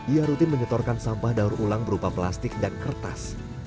ia rutin menyetorkan sampah daur ulang berupa plastik dan kertas